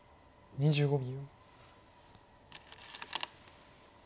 ２５秒。